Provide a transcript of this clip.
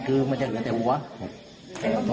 เขาบอกราคาครับ